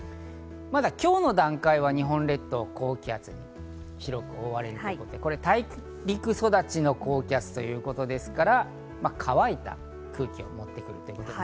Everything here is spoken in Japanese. まだ今日の段階は日本列島、高気圧に広く覆われて、これ、大陸育ちの高気圧ということですから、乾いた空気を持ってくる。